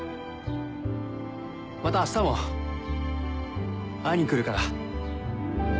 また明日も会いに来るから。